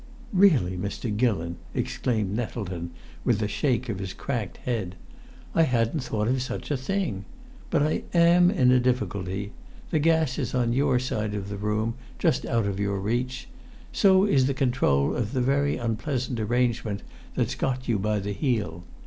"Really, Mr. Gillon!" exclaimed Nettleton, with a shake of his cracked head. "I hadn't thought of such a thing. But I am in a difficulty. The gas is on your side of the room, just out of your reach. So is the control of the very unpleasant arrangement that's got you by the heel.